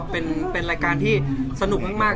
เป็นรายการที่สนุกมาก